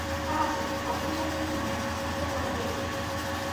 তা আছে– কোম্পানির শাসন তিনি মানেন না, আমি তার প্রমাণ পেয়েছি।